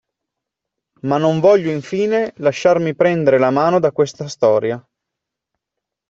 Ma non voglio infine lasciarmi prendere la mano da questa storia.